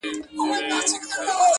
په حضور كي ورته جمع درباريان سول-